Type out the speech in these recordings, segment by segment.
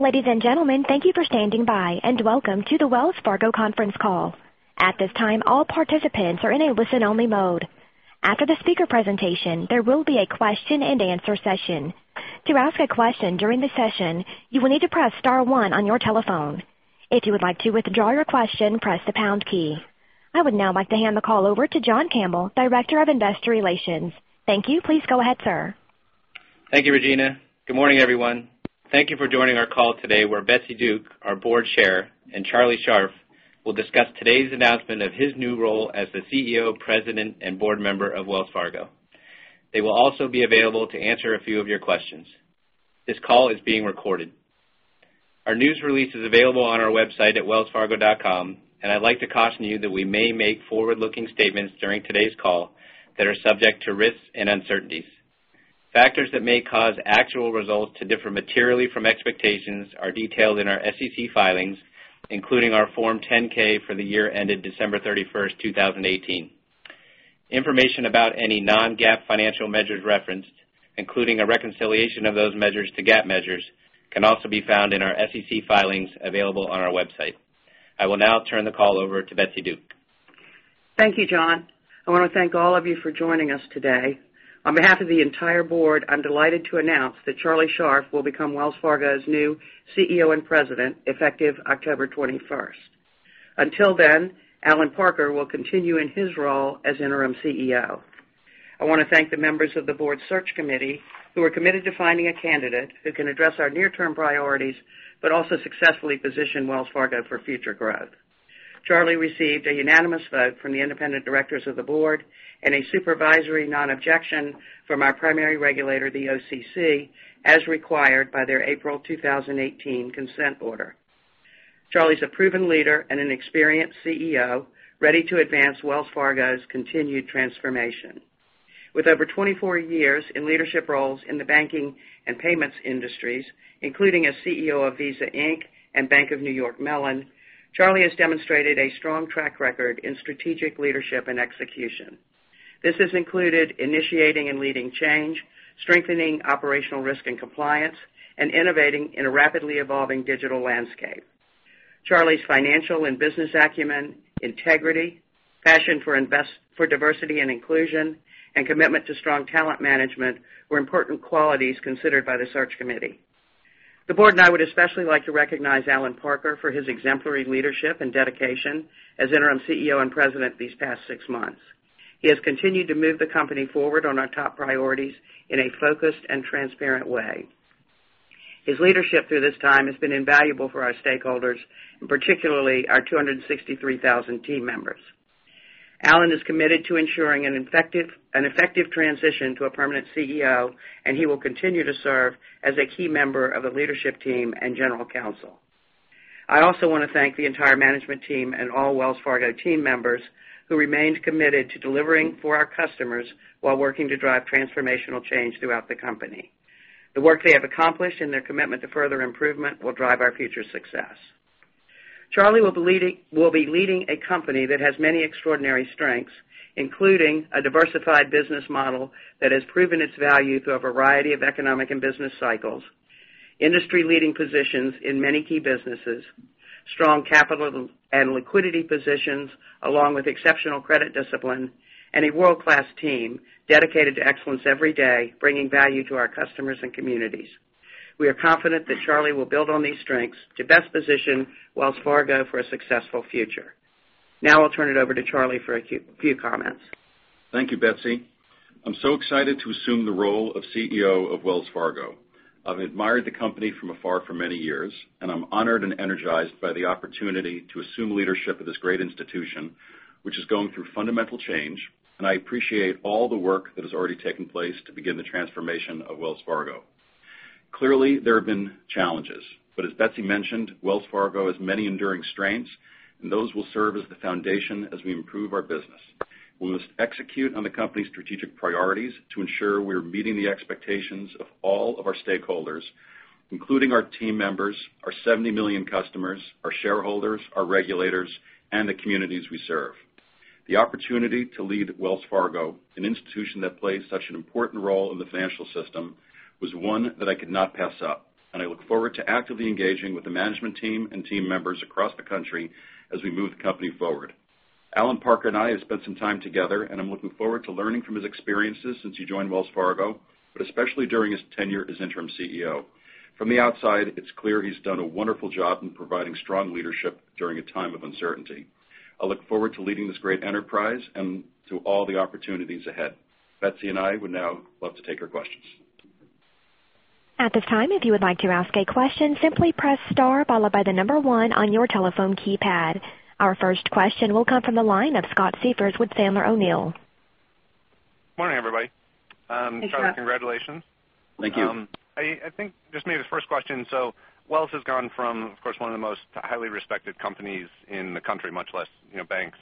Ladies and gentlemen, thank you for standing by, and welcome to the Wells Fargo conference call. At this time, all participants are in a listen-only mode. After the speaker presentation, there will be a question-and-answer session. To ask a question during the session, you will need to press star one on your telephone. If you would like to withdraw your question, press the pound key. I would now like to hand the call over to John Campbell, Director of Investor Relations. Thank you. Please go ahead, sir. Thank you, Regina. Good morning, everyone. Thank you for joining our call today, where Betsy Duke, our board chair, and Charlie Scharf will discuss today's announcement of his new role as the CEO, President, and Board Member of Wells Fargo. They will also be available to answer a few of your questions. This call is being recorded. Our news release is available on our website at wellsfargo.com, I'd like to caution you that we may make forward-looking statements during today's call that are subject to risks and uncertainties. Factors that may cause actual results to differ materially from expectations are detailed in our SEC filings, including our Form 10-K for the year ended December 31st, 2018. Information about any non-GAAP financial measures referenced, including a reconciliation of those measures to GAAP measures, can also be found in our SEC filings available on our website. I will now turn the call over to Betsy Duke. Thank you, John. I want to thank all of you for joining us today. On behalf of the entire board, I'm delighted to announce that Charlie Scharf will become Wells Fargo's new CEO and President, effective October 21st. Until then, Allen Parker will continue in his role as interim CEO. I want to thank the members of the board search committee who are committed to finding a candidate who can address our near-term priorities, but also successfully position Wells Fargo for future growth. Charlie received a unanimous vote from the independent directors of the board and a supervisory non-objection from our primary regulator, the OCC, as required by their April 2018 consent order. Charlie's a proven leader and an experienced CEO ready to advance Wells Fargo's continued transformation. With over 24 years in leadership roles in the banking and payments industries, including as CEO of Visa Inc. Bank of New York Mellon, Charlie has demonstrated a strong track record in strategic leadership and execution. This has included initiating and leading change, strengthening operational risk and compliance, and innovating in a rapidly evolving digital landscape. Charlie's financial and business acumen, integrity, passion for diversity and inclusion, and commitment to strong talent management were important qualities considered by the search committee. The board and I would especially like to recognize Allen Parker for his exemplary leadership and dedication as interim CEO and President these past six months. He has continued to move the company forward on our top priorities in a focused and transparent way. His leadership through this time has been invaluable for our stakeholders, and particularly our 263,000 team members. Allen is committed to ensuring an effective transition to a permanent CEO. He will continue to serve as a key member of the leadership team and General Counsel. I also want to thank the entire management team and all Wells Fargo team members who remained committed to delivering for our customers while working to drive transformational change throughout the company. The work they have accomplished and their commitment to further improvement will drive our future success. Charlie will be leading a company that has many extraordinary strengths, including a diversified business model that has proven its value through a variety of economic and business cycles, industry-leading positions in many key businesses, strong capital and liquidity positions, along with exceptional credit discipline, and a world-class team dedicated to excellence every day, bringing value to our customers and communities. We are confident that Charlie will build on these strengths to best position Wells Fargo for a successful future. I'll turn it over to Charlie for a few comments. Thank you, Betsy. I'm so excited to assume the role of CEO of Wells Fargo. I've admired the company from afar for many years. I'm honored and energized by the opportunity to assume leadership of this great institution, which is going through fundamental change. I appreciate all the work that has already taken place to begin the transformation of Wells Fargo. Clearly, there have been challenges. As Betsy mentioned, Wells Fargo has many enduring strengths. Those will serve as the foundation as we improve our business. We must execute on the company's strategic priorities to ensure we're meeting the expectations of all of our stakeholders, including our team members, our 70 million customers, our shareholders, our regulators, and the communities we serve. The opportunity to lead Wells Fargo, an institution that plays such an important role in the financial system, was one that I could not pass up, and I look forward to actively engaging with the management team and team members across the country as we move the company forward. Allen Parker and I have spent some time together, and I'm looking forward to learning from his experiences since he joined Wells Fargo, but especially during his tenure as interim CEO. From the outside, it's clear he's done a wonderful job in providing strong leadership during a time of uncertainty. I look forward to leading this great enterprise and to all the opportunities ahead. Betsy and I would now love to take your questions. At this time, if you would like to ask a question, simply press star followed by the number 1 on your telephone keypad. Our first question will come from the line of Scott Siefers with Sandler O'Neill. Morning, everybody. Hey, Scott. Charlie, congratulations. Thank you. I think just maybe the first question. Wells has gone from, of course, one of the most highly respected companies in the country, much less banks,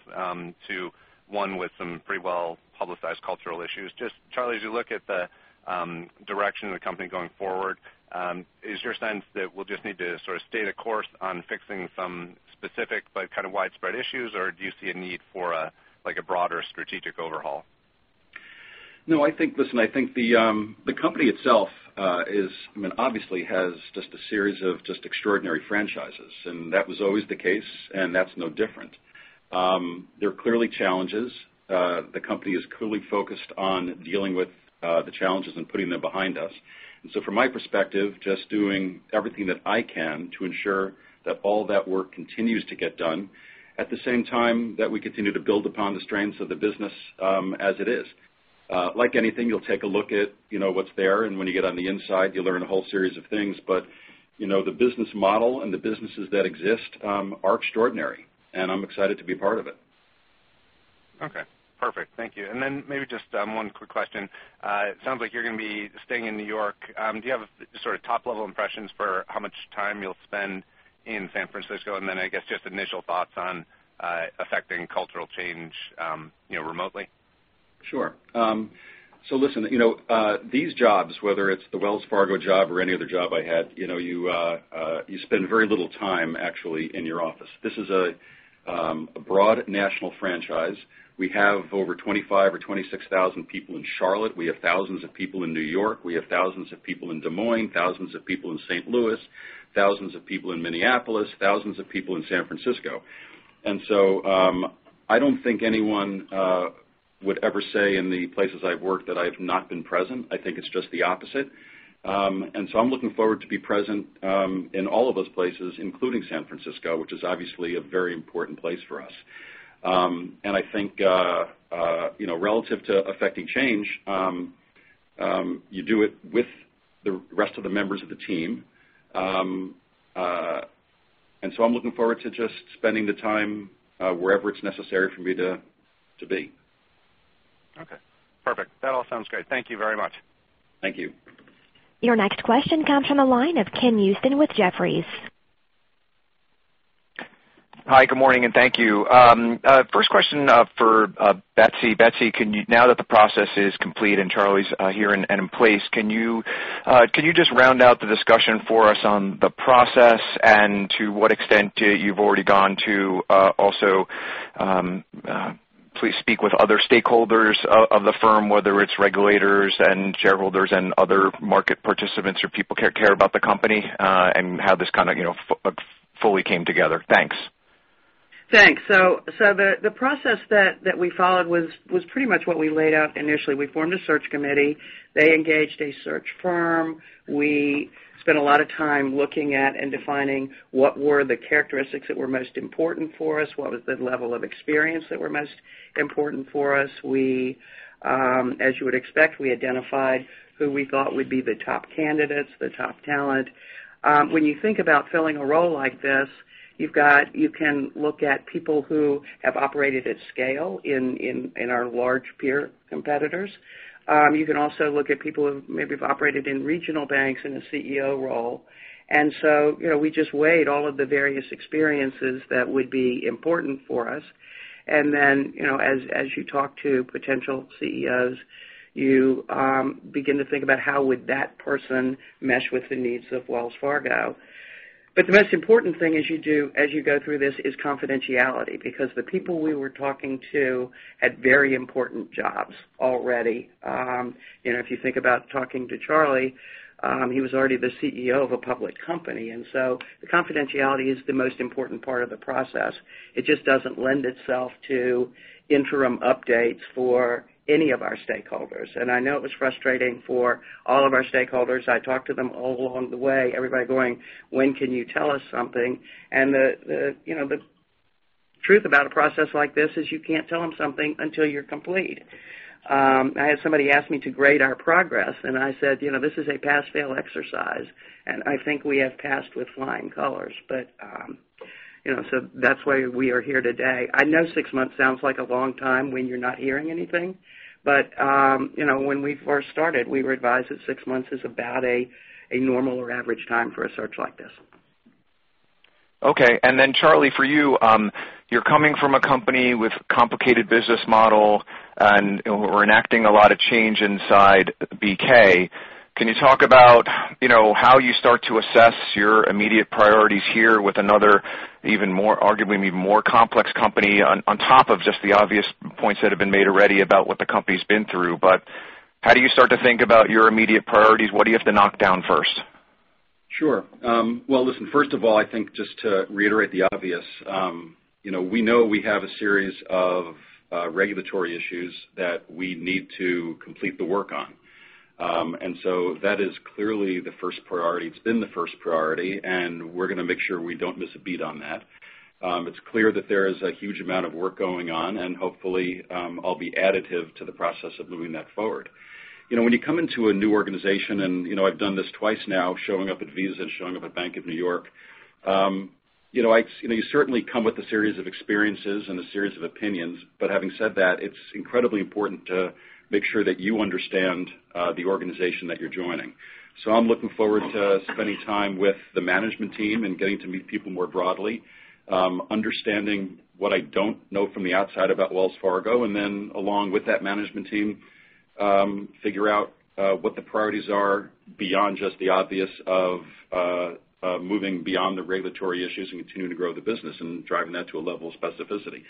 to one with some pretty well-publicized cultural issues. Just, Charlie, as you look at the direction of the company going forward, is your sense that we'll just need to sort of stay the course on fixing some specific but kind of widespread issues, or do you see a need for a broader strategic overhaul? No, listen, I think the company itself obviously has just a series of just extraordinary franchises, and that was always the case, and that's no different. There are clearly challenges. The company is clearly focused on dealing with the challenges and putting them behind us. From my perspective, just doing everything that I can to ensure that all that work continues to get done. At the same time, that we continue to build upon the strengths of the business as it is. Like anything, you'll take a look at what's there, and when you get on the inside, you learn a whole series of things. The business model and the businesses that exist are extraordinary, and I'm excited to be part of it. Okay, perfect. Thank you. Maybe just one quick question. It sounds like you're going to be staying in New York. Do you have sort of top-level impressions for how much time you'll spend in San Francisco? I guess just initial thoughts on affecting cultural change remotely. Sure. Listen, these jobs, whether it's the Wells Fargo job or any other job I had, you spend very little time actually in your office. This is a broad national franchise. We have over 25,000 or 26,000 people in Charlotte. We have thousands of people in New York. We have thousands of people in Des Moines, thousands of people in St. Louis, thousands of people in Minneapolis, thousands of people in San Francisco. I don't think anyone would ever say in the places I've worked that I've not been present. I think it's just the opposite. I'm looking forward to be present in all of those places, including San Francisco, which is obviously a very important place for us. I think, relative to affecting change, you do it with the rest of the members of the team. I'm looking forward to just spending the time wherever it's necessary for me to be. Okay, perfect. That all sounds great. Thank you very much. Thank you. Your next question comes from the line of Ken Usdin with Jefferies. Hi, good morning, and thank you. First question for Betsy. Betsy, now that the process is complete and Charlie's here and in place, can you just round out the discussion for us on the process and to what extent you've already gone to also please speak with other stakeholders of the firm, whether it's regulators and shareholders and other market participants or people who care about the company, and how this kind of fully came together? Thanks. Thanks. The process that we followed was pretty much what we laid out initially. We formed a search committee. They engaged a search firm. We spent a lot of time looking at and defining what were the characteristics that were most important for us, what was the level of experience that were most important for us. As you would expect, we identified who we thought would be the top candidates, the top talent. When you think about filling a role like this, you can look at people who have operated at scale in our large peer competitors. You can also look at people who maybe have operated in regional banks in a CEO role. We just weighed all of the various experiences that would be important for us. As you talk to potential CEOs, you begin to think about how would that person mesh with the needs of Wells Fargo. The most important thing as you go through this is confidentiality, because the people we were talking to had very important jobs already. If you think about talking to Charlie, he was already the CEO of a public company, the confidentiality is the most important part of the process. It just doesn't lend itself to interim updates for any of our stakeholders. I know it was frustrating for all of our stakeholders. I talked to them all along the way, everybody going, "When can you tell us something?" The truth about a process like this is you can't tell them something until you're complete. I had somebody ask me to grade our progress, and I said, "This is a pass-fail exercise," and I think we have passed with flying colors. That's why we are here today. I know six months sounds like a long time when you're not hearing anything, but when we first started, we were advised that six months is about a normal or average time for a search like this. Okay. Then Charlie, for you're coming from a company with complicated business model and enacting a lot of change inside BK. Can you talk about how you start to assess your immediate priorities here with another arguably even more complex company on top of just the obvious points that have been made already about what the company's been through. How do you start to think about your immediate priorities? What do you have to knock down first? Sure. Well, listen, first of all, I think just to reiterate the obvious. We know we have a series of regulatory issues that we need to complete the work on. That is clearly the first priority. It's been the first priority, and we're going to make sure we don't miss a beat on that. It's clear that there is a huge amount of work going on, and hopefully, I'll be additive to the process of moving that forward. When you come into a new organization, and I've done this twice now, showing up at Visa and showing up at Bank of New York. You certainly come with a series of experiences and a series of opinions. Having said that, it's incredibly important to make sure that you understand the organization that you're joining. I'm looking forward to spending time with the management team and getting to meet people more broadly. Understanding what I don't know from the outside about Wells Fargo, and then along with that management team, figure out what the priorities are beyond just the obvious of moving beyond the regulatory issues and continuing to grow the business and driving that to a level of specificity.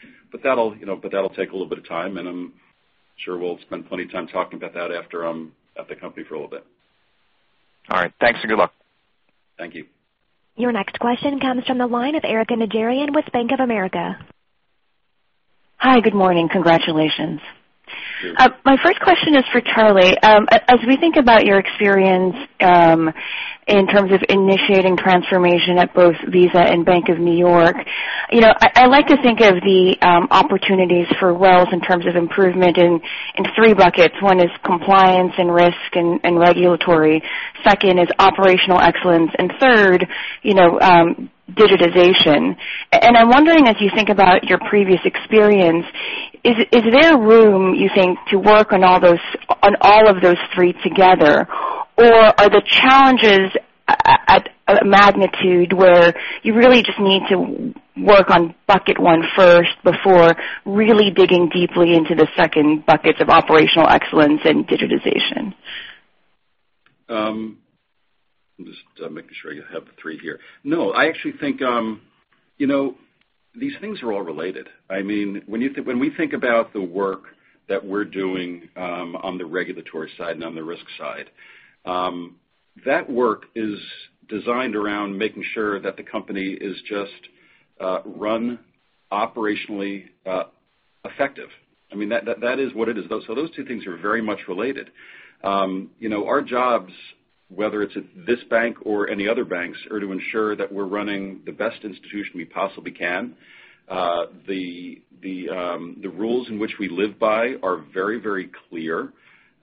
That'll take a little bit of time, and I'm sure we'll spend plenty of time talking about that after I'm at the company for a little bit. All right. Thanks and good luck. Thank you. Your next question comes from the line of Erika Najarian with Bank of America. Hi. Good morning. Congratulations. Sure. My first question is for Charlie. As we think about your experience in terms of initiating transformation at both Visa and Bank of New York, I like to think of the opportunities for Wells in terms of improvement in three buckets. One is compliance and risk and regulatory. Second is operational excellence. Third, digitization. I'm wondering, as you think about your previous experience, is there room, you think, to work on all of those three together? Or are the challenges at a magnitude where you really just need to work on bucket one first before really digging deeply into the second buckets of operational excellence and digitization? I'm just making sure you have the three here. I actually think these things are all related. When we think about the work that we're doing on the regulatory side and on the risk side, that work is designed around making sure that the company is just run operationally effective. That is what it is. Those two things are very much related. Our jobs, whether it's at this bank or any other banks, are to ensure that we're running the best institution we possibly can. The rules in which we live by are very, very clear.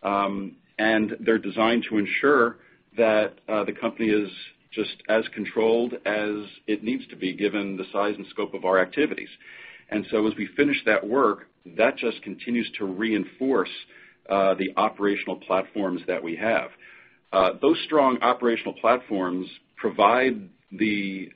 They're designed to ensure that the company is just as controlled as it needs to be given the size and scope of our activities. As we finish that work, that just continues to reinforce the operational platforms that we have. Those strong operational platforms provide the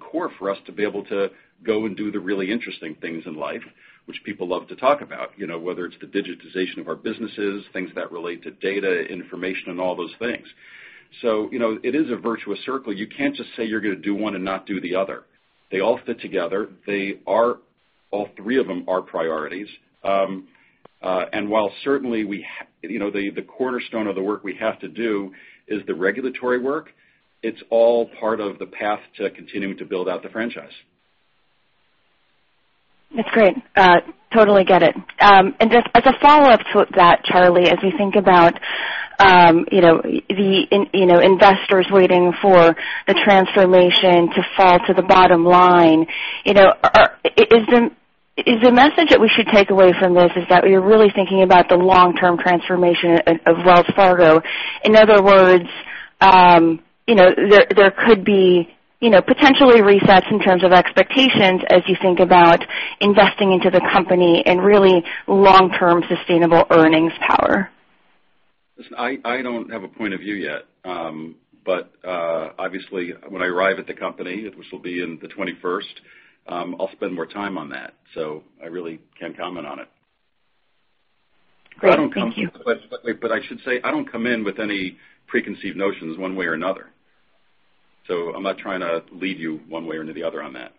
core for us to be able to go and do the really interesting things in life, which people love to talk about, whether it's the digitization of our businesses, things that relate to data, information, and all those things. It is a virtuous circle. You can't just say you're going to do one and not do the other. They all fit together. All three of them are priorities. While certainly the cornerstone of the work we have to do is the regulatory work, it's all part of the path to continuing to build out the franchise. That's great. Totally get it. Just as a follow-up to that, Charlie, as we think about investors waiting for the transformation to fall to the bottom line, is the message that we should take away from this is that you're really thinking about the long-term transformation of Wells Fargo? In other words, there could be potentially resets in terms of expectations as you think about investing into the company and really long-term sustainable earnings power. Listen, I don't have a point of view yet. Obviously when I arrive at the company, which will be in the 21st, I'll spend more time on that. I really can't comment on it. Great. Thank you. I should say, I don't come in with any preconceived notions one way or another. I'm not trying to lead you one way or the other on that.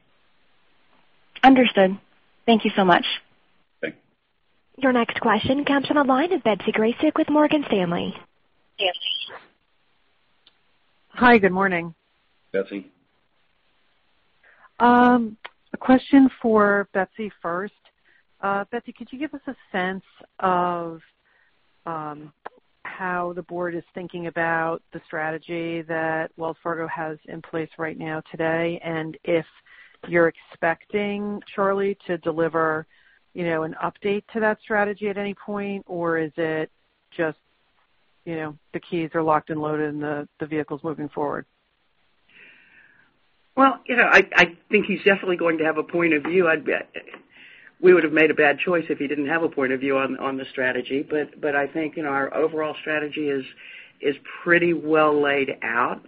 Understood. Thank you so much. Thank you. Your next question comes from the line of Betsy Graseck with Morgan Stanley. Stanley. Hi. Good morning. Betsy. A question for Betsy first. Betsy, could you give us a sense of how the board is thinking about the strategy that Wells Fargo has in place right now today, and if you're expecting Charlie to deliver an update to that strategy at any point, or is it just the keys are locked and loaded and the vehicle's moving forward? I think he's definitely going to have a point of view. We would have made a bad choice if he didn't have a point of view on the strategy. I think our overall strategy is pretty well laid out.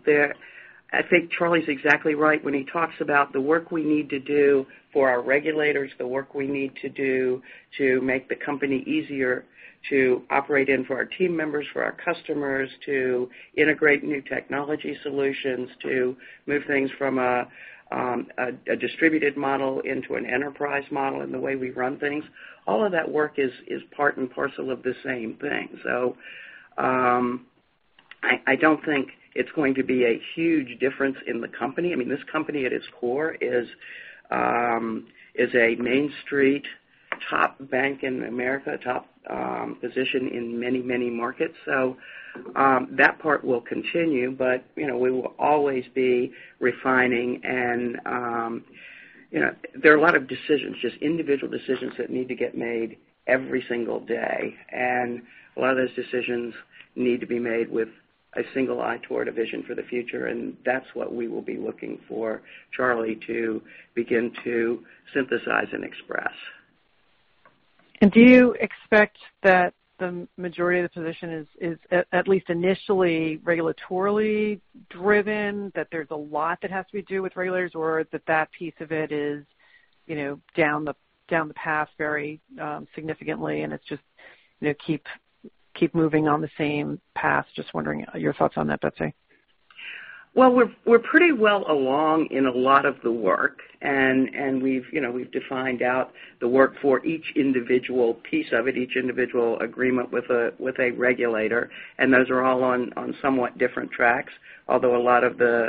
I think Charlie's exactly right when he talks about the work we need to do for our regulators, the work we need to do to make the company easier to operate in for our team members, for our customers to integrate new technology solutions, to move things from a distributed model into an enterprise model in the way we run things. All of that work is part and parcel of the same thing. I don't think it's going to be a huge difference in the company. This company at its core is a main street top bank in America, top position in many, many markets. That part will continue, but we will always be refining and there are a lot of decisions, just individual decisions that need to get made every single day. A lot of those decisions need to be made with a single eye toward a vision for the future. That's what we will be looking for Charlie to begin to synthesize and express. Do you expect that the majority of the position is at least initially regulatorily driven, that there's a lot that has to be done with regulators, or that piece of it is down the path very significantly and it's just keep moving on the same path? Just wondering your thoughts on that, Betsy? Well, we're pretty well along in a lot of the work, and we've defined out the work for each individual piece of it, each individual agreement with a regulator, and those are all on somewhat different tracks, although a lot of the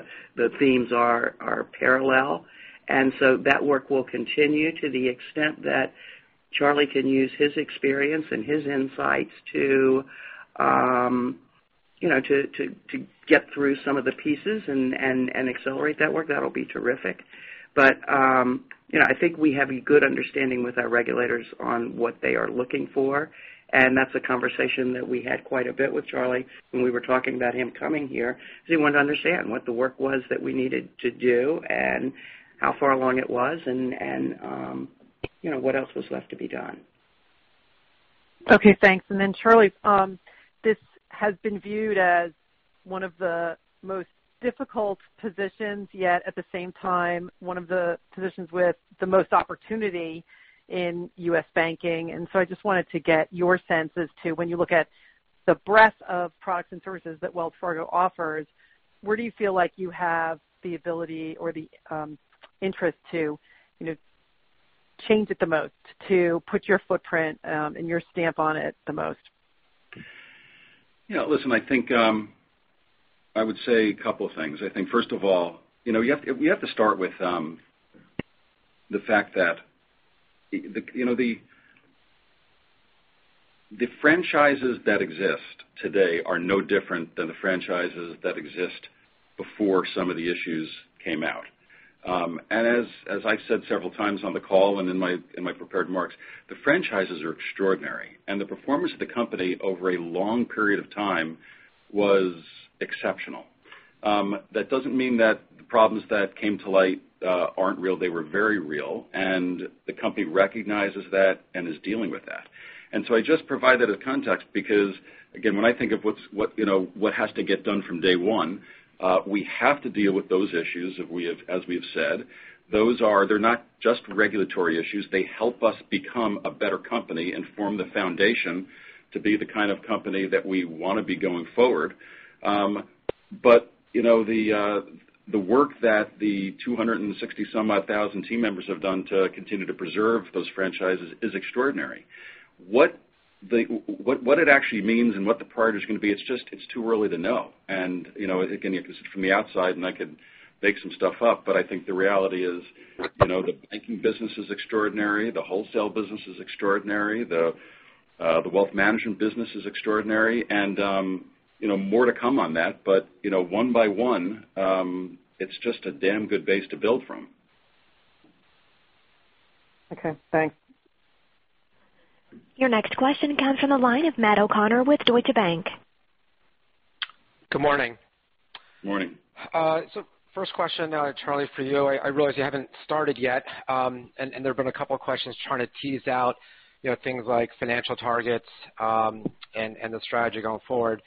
themes are parallel. That work will continue to the extent that Charlie can use his experience and his insights to get through some of the pieces and accelerate that work. That'll be terrific. I think we have a good understanding with our regulators on what they are looking for, and that's a conversation that we had quite a bit with Charlie when we were talking about him coming here because he wanted to understand what the work was that we needed to do and how far along it was and what else was left to be done. Okay, thanks. Then Charlie, this has been viewed as one of the most difficult positions, yet at the same time, one of the positions with the most opportunity in U.S. banking. I just wanted to get your sense as to when you look at the breadth of products and services that Wells Fargo offers, where do you feel like you have the ability or the interest to change it the most? To put your footprint and your stamp on it the most? Listen, I think I would say a couple of things. We have to start with the fact that the franchises that exist today are no different than the franchises that exist before some of the issues came out. As I've said several times on the call and in my prepared remarks, the franchises are extraordinary, and the performance of the company over a long period of time was exceptional. That doesn't mean that the problems that came to light aren't real. They were very real, and the company recognizes that and is dealing with that. I just provide that as context because, again, when I think of what has to get done from day one, we have to deal with those issues as we've said. They're not just regulatory issues. They help us become a better company and form the foundation to be the kind of company that we want to be going forward. The work that the 260 some odd thousand team members have done to continue to preserve those franchises is extraordinary. What it actually means and what the priority is going to be, it's too early to know. Again, from the outside, and I could make some stuff up, but I think the reality is, the banking business is extraordinary. The wholesale business is extraordinary. The wealth management business is extraordinary. More to come on that, but one by one, it's just a damn good base to build from. Okay, thanks. Your next question comes from the line of Matt O'Connor with Deutsche Bank. Good morning. Morning. First question, Charlie, for you. I realize you haven't started yet, and there have been a couple of questions trying to tease out things like financial targets, and the strategy going forward,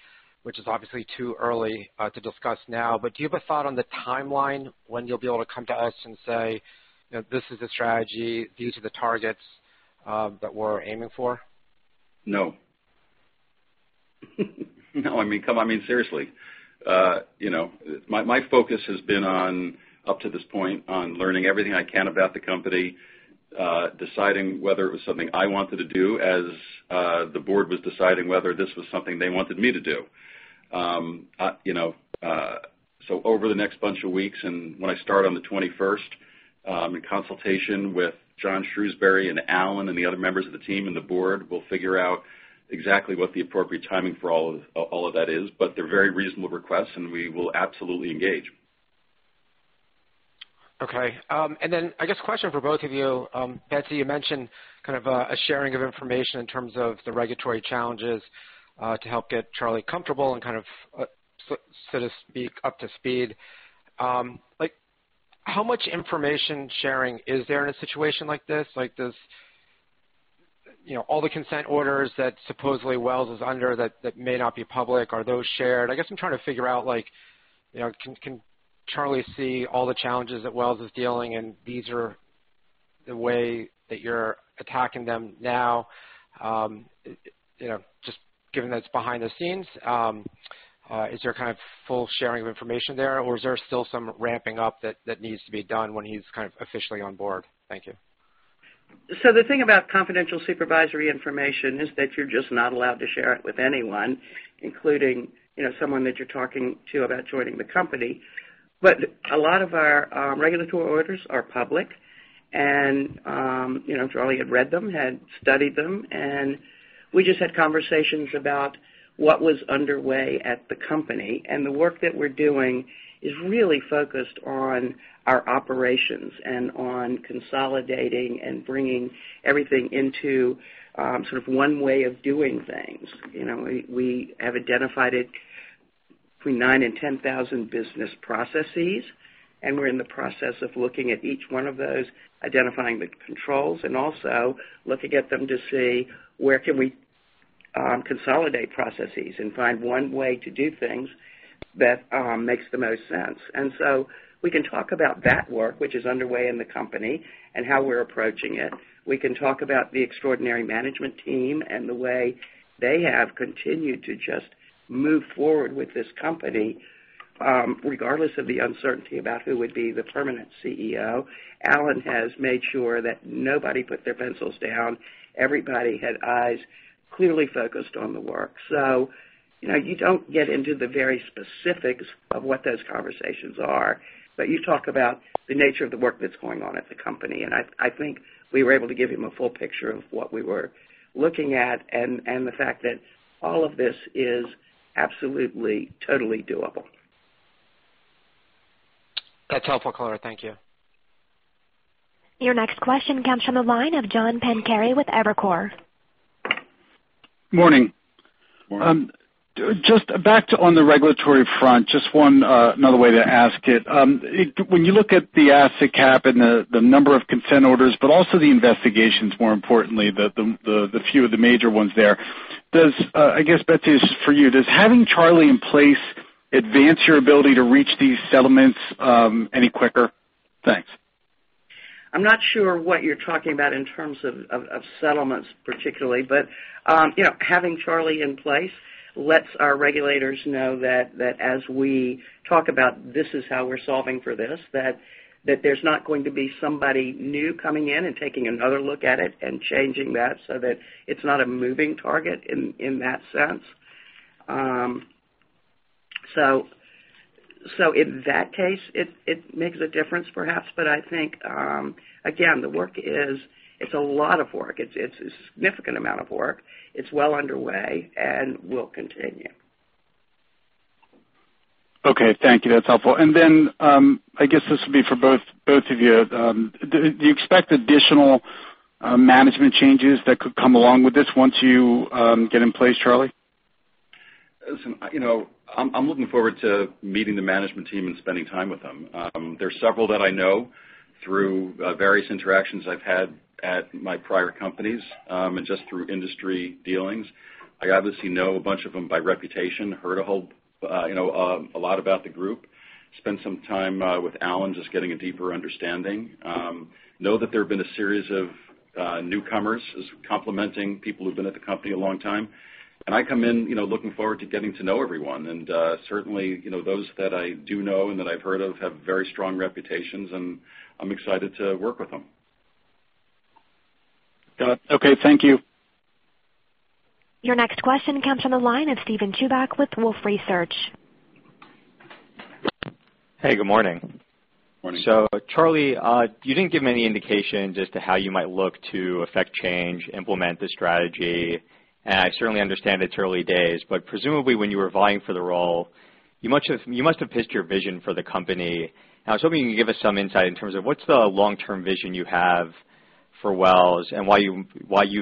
which is obviously too early to discuss now. Do you have a thought on the timeline when you'll be able to come to us and say, "This is the strategy, these are the targets that we're aiming for? No. No, come on, seriously. My focus has been on, up to this point, on learning everything I can about the company, deciding whether it was something I wanted to do as the board was deciding whether this was something they wanted me to do. Over the next bunch of weeks and when I start on the 21st, in consultation with John Shrewsberry and Allen and the other members of the team and the board, we'll figure out exactly what the appropriate timing for all of that is. They're very reasonable requests, and we will absolutely engage. Okay. I guess a question for both of you. Betsy, you mentioned a sharing of information in terms of the regulatory challenges, to help get Charlie comfortable and so to speak, up to speed. How much information sharing is there in a situation like this? All the consent orders that supposedly Wells is under that may not be public, are those shared? I guess I'm trying to figure out, can Charlie see all the challenges that Wells is dealing and these are the way that you're attacking them now? Just given that it's behind the scenes, is there full sharing of information there or is there still some ramping up that needs to be done when he's officially on board? Thank you. The thing about confidential supervisory information is that you're just not allowed to share it with anyone, including someone that you're talking to about joining the company. A lot of our regulatory orders are public and Charlie had read them, had studied them, and we just had conversations about what was underway at the company. The work that we're doing is really focused on our operations and on consolidating and bringing everything into one way of doing things. We have identified between nine and 10,000 business processes, and we're in the process of looking at each one of those, identifying the controls, and also looking at them to see where can we consolidate processes and find one way to do things that makes the most sense. We can talk about that work, which is underway in the company, and how we're approaching it. We can talk about the extraordinary management team and the way they have continued to just move forward with this company, regardless of the uncertainty about who would be the permanent CEO. Allen has made sure that nobody put their pencils down. Everybody had eyes clearly focused on the work. You don't get into the very specifics of what those conversations are, but you talk about the nature of the work that's going on at the company. I think we were able to give him a full picture of what we were looking at and the fact that all of this is absolutely, totally doable. That's helpful, Charlie. Thank you. Your next question comes from the line of John Pancari with Evercore. Morning. Morning. Just back on the regulatory front, just one other way to ask it. When you look at the asset cap and the number of consent orders, but also the investigations, more importantly, the few of the major ones there. I guess, Betsy, this is for you. Does having Charlie in place advance your ability to reach these settlements any quicker? Thanks. I'm not sure what you're talking about in terms of settlements, particularly, but having Charlie in place lets our regulators know that as we talk about this is how we're solving for this, that there's not going to be somebody new coming in and taking another look at it and changing that so that it's not a moving target in that sense. In that case, it makes a difference perhaps, but I think, again, the work is a lot of work. It's a significant amount of work. It's well underway and will continue. Okay. Thank you. That's helpful. I guess this would be for both of you. Do you expect additional management changes that could come along with this once you get in place, Charlie? Listen, I'm looking forward to meeting the management team and spending time with them. There's several that I know through various interactions I've had at my prior companies, and just through industry dealings. I obviously know a bunch of them by reputation, heard a lot about the group. Spent some time with Allen just getting a deeper understanding. Know that there have been a series of newcomers complimenting people who've been at the company a long time. I come in looking forward to getting to know everyone. Certainly, those that I do know and that I've heard of have very strong reputations, and I'm excited to work with them. Got it. Okay. Thank you. Your next question comes from the line of Steven Chubak with Wolfe Research. Hey, good morning. Morning. Charlie, you didn't give me any indication as to how you might look to affect change, implement the strategy, and I certainly understand it's early days, but presumably when you were vying for the role, you must have pitched your vision for the company. I was hoping you can give us some insight in terms of what's the long-term vision you have for Wells and why you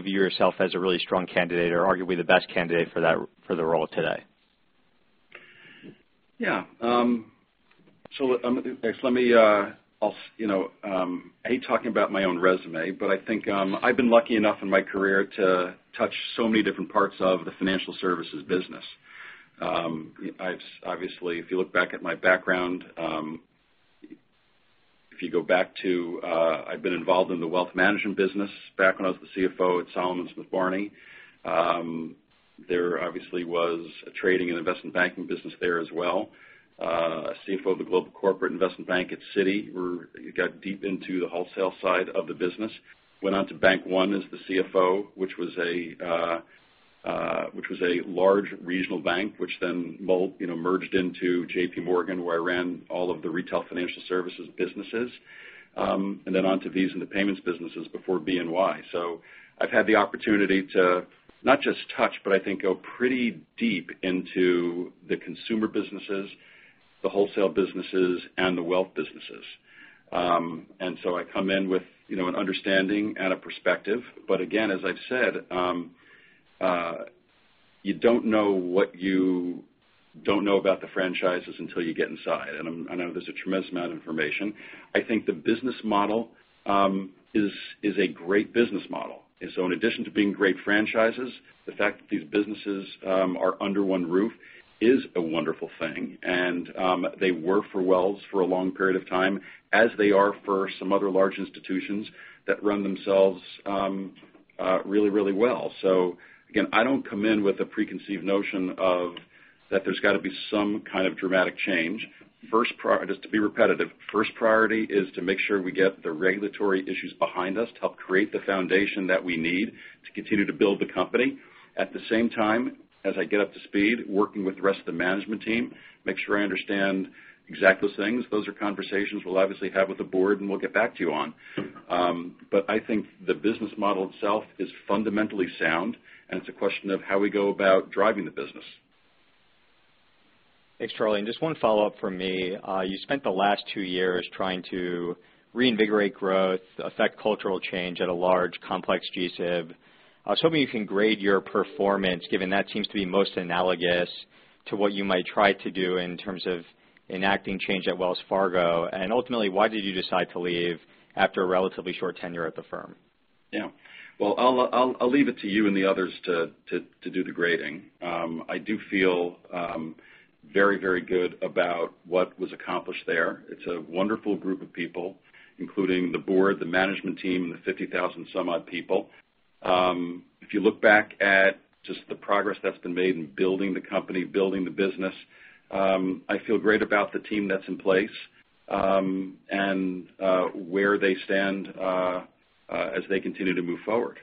view yourself as a really strong candidate or arguably the best candidate for the role today? I hate talking about my own resume, but I think I've been lucky enough in my career to touch so many different parts of the financial services business. If you look back at my background, I've been involved in the wealth management business back when I was the CFO at Salomon Smith Barney. There obviously was a trading and investment banking business there as well. CFO of the global corporate investment bank at Citi, where you got deep into the wholesale side of the business. Went on to Bank One as the CFO, which was a large regional bank, which then merged into JPMorgan, where I ran all of the retail financial services businesses. Onto Visa in the payments businesses before BNY. I've had the opportunity to not just touch, but I think go pretty deep into the consumer businesses, the wholesale businesses, and the wealth businesses. I come in with an understanding and a perspective. Again, as I've said, you don't know what you don't know about the franchises until you get inside. I know there's a tremendous amount of information. I think the business model is a great business model. In addition to being great franchises, the fact that these businesses are under one roof is a wonderful thing. They work for Wells for a long period of time, as they are for some other large institutions that run themselves really well. Again, I don't come in with a preconceived notion of that there's got to be some kind of dramatic change. Just to be repetitive, first priority is to make sure we get the regulatory issues behind us to help create the foundation that we need to continue to build the company. At the same time, as I get up to speed, working with the rest of the management team, make sure I understand exactly those things. Those are conversations we'll obviously have with the board and we'll get back to you on. I think the business model itself is fundamentally sound, and it's a question of how we go about driving the business. Thanks, Charlie. Just one follow-up from me. You spent the last two years trying to reinvigorate growth, affect cultural change at a large, complex GSIB. I was hoping you can grade your performance, given that seems to be most analogous to what you might try to do in terms of enacting change at Wells Fargo. Ultimately, why did you decide to leave after a relatively short tenure at the firm? Yeah. Well, I'll leave it to you and the others to do the grading. I do feel very, very good about what was accomplished there. It's a wonderful group of people, including the board, the management team, the 50,000 some odd people. If you look back at just the progress that's been made in building the company, building the business, I feel great about the team that's in place, and where they stand as they continue to move forward.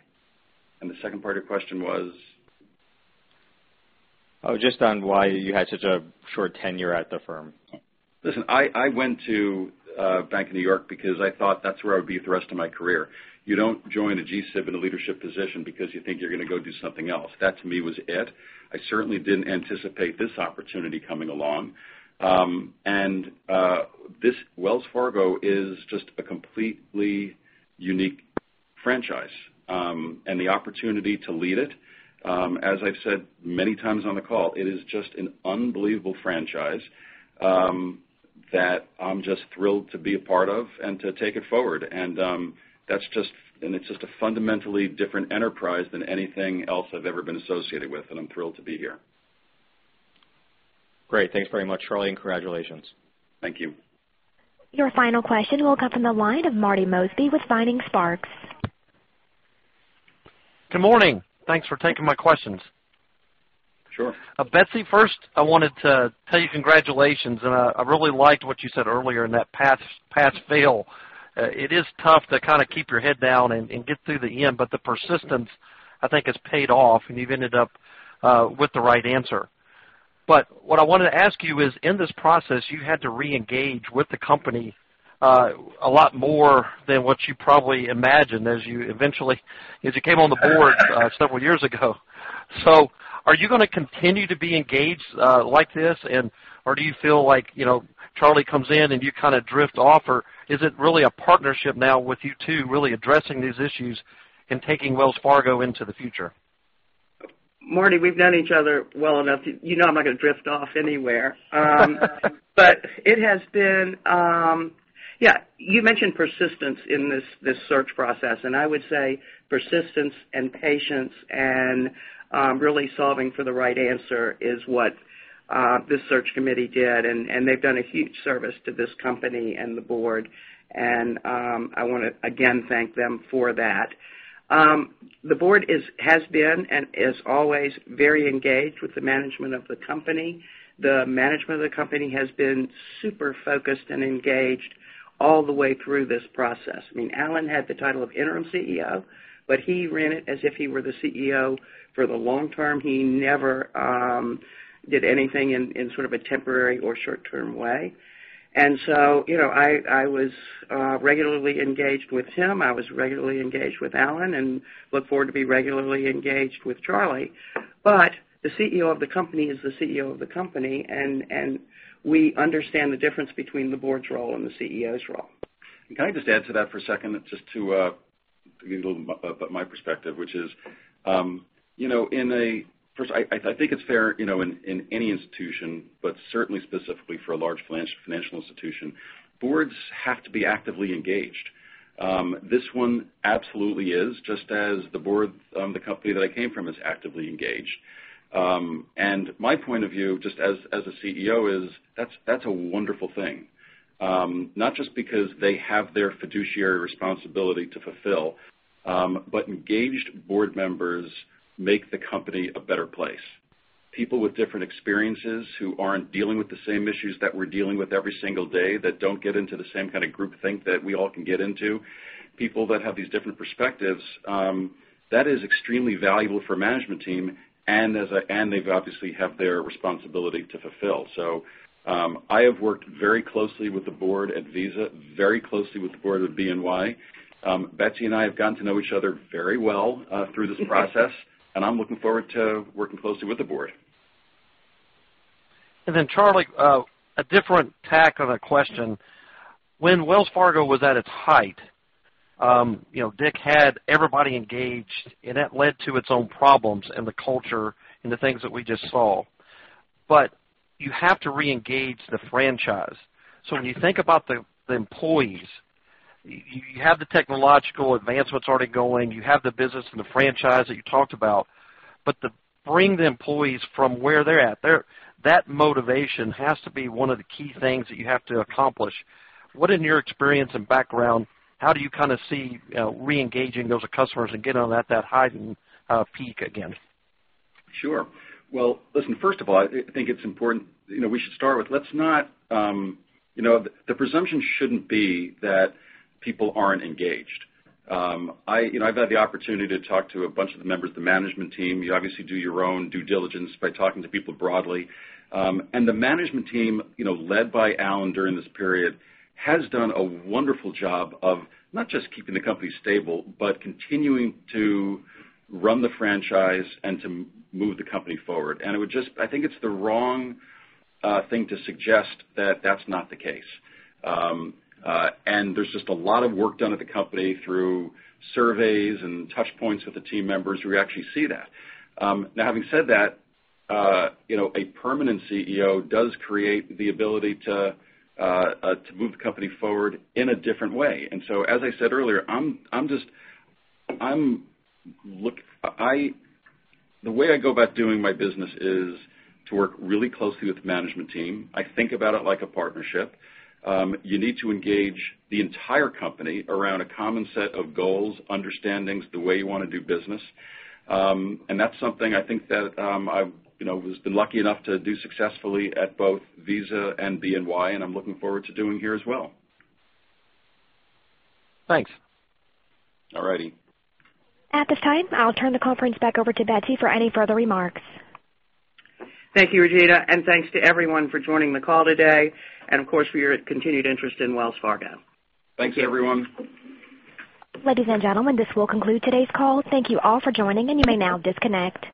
The second part of your question was? Oh, just on why you had such a short tenure at the firm. Listen, I went to Bank of New York because I thought that's where I would be the rest of my career. You don't join a GSIB in a leadership position because you think you're going to go do something else. That to me was it. I certainly didn't anticipate this opportunity coming along. Wells Fargo is just a completely unique franchise. The opportunity to lead it, as I've said many times on the call, it is just an unbelievable franchise, that I'm just thrilled to be a part of and to take it forward. It's just a fundamentally different enterprise than anything else I've ever been associated with. I'm thrilled to be here. Great. Thanks very much, Charlie, and congratulations. Thank you. Your final question will come from the line of Marty Mosby with Vining Sparks. Good morning. Thanks for taking my questions. Sure. Betsy, first I wanted to tell you congratulations, and I really liked what you said earlier in that pass fail. The persistence I think has paid off, and you've ended up with the right answer. What I wanted to ask you is, in this process, you had to reengage with the company a lot more than what you probably imagined as you came on the board several years ago. Are you going to continue to be engaged like this? Or do you feel like Charlie comes in and you kind of drift off? Or is it really a partnership now with you two really addressing these issues and taking Wells Fargo into the future? Marty, we've known each other well enough. You know I'm not going to drift off anywhere. It has been Yeah, you mentioned persistence in this search process, and I would say persistence and patience and really solving for the right answer is what this search committee did, and they've done a huge service to this company and the board, and I want to again thank them for that. The board has been and is always very engaged with the management of the company. The management of the company has been super focused and engaged all the way through this process. I mean, Allen had the title of interim CEO, but he ran it as if he were the CEO for the long term. He never did anything in sort of a temporary or short-term way. I was regularly engaged with him. I was regularly engaged with Allen, look forward to be regularly engaged with Charlie. The CEO of the company is the CEO of the company. We understand the difference between the board's role and the CEO's role. can I just add to that for a second, just to give you a little bit my perspective, which is first, I think it's fair in any institution, but certainly specifically for a large financial institution, boards have to be actively engaged. This one absolutely is, just as the board of the company that I came from is actively engaged. My point of view, just as a CEO, is that's a wonderful thing. Not just because they have their fiduciary responsibility to fulfill, but engaged board members make the company a better place. People with different experiences who aren't dealing with the same issues that we're dealing with every single day, that don't get into the same kind of groupthink that we all can get into. People that have these different perspectives, that is extremely valuable for a management team, and they obviously have their responsibility to fulfill. I have worked very closely with the board at Visa, very closely with the board at BNY. Betsy and I have gotten to know each other very well through this process, and I'm looking forward to working closely with the board. Charlie, a different tack on a question. When Wells Fargo was at its height, Dick had everybody engaged, and that led to its own problems in the culture and the things that we just saw. you have to reengage the franchise. when you think about the employees, you have the technological advancements already going. You have the business and the franchise that you talked about. to bring the employees from where they're at, that motivation has to be one of the key things that you have to accomplish. What, in your experience and background, how do you kind of see reengaging those customers and getting on that heightened peak again? Sure. Well, listen, first of all, I think it's important, we should start with let's not The presumption shouldn't be that people aren't engaged. I've had the opportunity to talk to a bunch of the members of the management team. You obviously do your own due diligence by talking to people broadly. the management team, led by Allen during this period, has done a wonderful job of not just keeping the company stable, but continuing to run the franchise and to move the company forward. I think it's the wrong thing to suggest that that's not the case. there's just a lot of work done at the company through surveys and touchpoints with the team members. We actually see that. Now, having said that, a permanent CEO does create the ability to move the company forward in a different way. as I said earlier, the way I go about doing my business is to work really closely with the management team. I think about it like a partnership. You need to engage the entire company around a common set of goals, understandings, the way you want to do business. that's something I think that I've been lucky enough to do successfully at both Visa and BNY, and I'm looking forward to doing here as well. Thanks. All righty. At this time, I'll turn the conference back over to Betsy for any further remarks. Thank you, Regina. Thanks to everyone for joining the call today and of course, for your continued interest in Wells Fargo. Thanks, everyone. Ladies and gentlemen, this will conclude today's call. Thank you all for joining, and you may now disconnect.